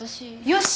よし！